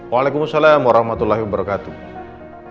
waalaikumsalam warahmatullahi wabarakatuh